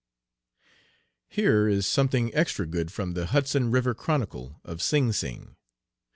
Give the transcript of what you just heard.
Here is something extra good from the Hudson River Chronicle, of Sing Sing.